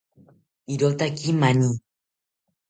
Irotaki mani